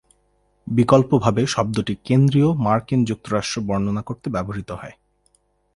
বিকল্পভাবে, শব্দটি কেন্দ্রীয় মার্কিন যুক্তরাষ্ট্র বর্ণনা করতে ব্যবহৃত হয়।